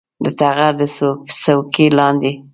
د ټغر د څوکې لاندې